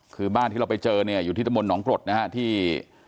คือบ้านที่เราไปเจอเนี่ยอยู่ที่ตะมนตหนองกรดนะฮะที่